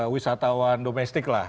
wisatawan domestik lah